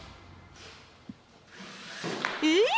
えっ⁉